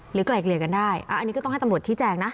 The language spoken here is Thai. ไกล่เกลี่ยกันได้อันนี้ก็ต้องให้ตำรวจชี้แจงนะ